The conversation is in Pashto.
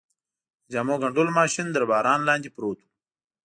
د جامو ګنډلو ماشین تر باران لاندې پروت و.